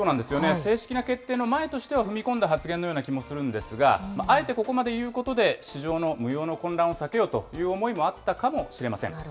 正式な決定の前としては、踏み込んだ発言のような気もするんですが、あえてここまで言うことで、市場の無用の混乱を避けようという思いもあったかもしれません。